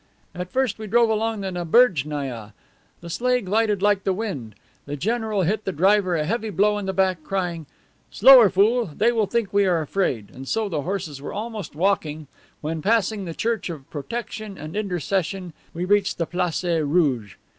At first we drove along the Naberjnaia. The sleigh glided like the wind. The general hit the driver a heavy blow in the back, crying, 'Slower, fool; they will think we are afraid,' and so the horses were almost walking when, passing behind the Church of Protection and intercession, we reached the Place Rouge.